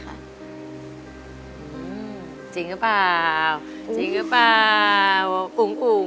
จริงหรือเปล่าจริงหรือเปล่าอุ๋งอุ๋ง